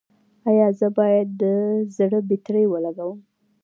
ایا زه باید د زړه بطرۍ ولګوم؟